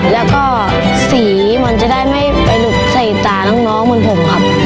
แล้วก็สีมันจะได้ไม่ไปหลุดใส่ตาน้องเหมือนผมครับ